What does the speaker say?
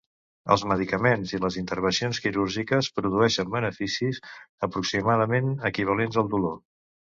Els medicaments i les intervencions quirúrgiques produeixen beneficis aproximadament equivalents al dolor.